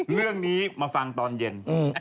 เรื่องนี้มาฟังตอนเย็น